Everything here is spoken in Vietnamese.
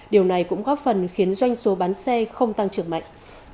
điều này cũng góp phần khiến doanh số bán xe không tăng trưởng mạnh